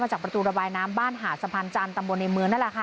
ที่จะประตูระบายน้ำบ้านหาสะพานจันตำบลในเมืองนะคะ